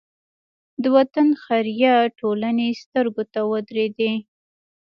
د وطن خیریه ټولنې سترګو ته ودرېدې.